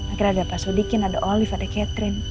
akhirnya ada pak sodikin ada olive ada catherine